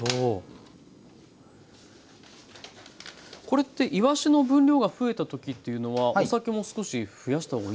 これっていわしの分量が増えた時っていうのはお酒も少し増やした方がいいんですか？